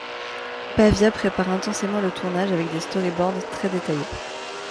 Pavia prépare intensément le tournage avec des storyboards très détaillés.